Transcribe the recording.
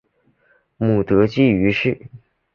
母德妃俞氏。